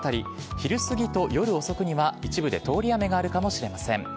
昼過ぎと夜遅くには、一部で通り雨があるかもしれません。